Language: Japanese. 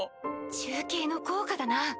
中継の効果だな。